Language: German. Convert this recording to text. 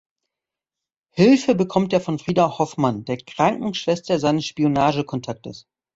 Hilfe bekommt er von Frieda Hoffmann, der Krankenschwester seines Spionage-Kontaktes.